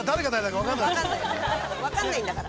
◆分かんないんだから。